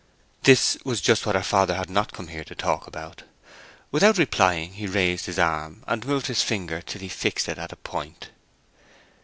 This was just what her father had not come there to talk about. Without replying he raised his arm, and moved his finger till he fixed it at a point.